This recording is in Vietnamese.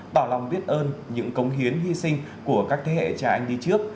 bảo lòng biết ơn những cống hiến hy sinh của các thế hệ cha anh đi trước